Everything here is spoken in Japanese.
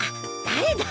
誰だ？